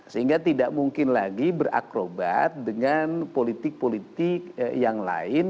sehingga tidak mungkin lagi berakrobat dengan politik politik yang lain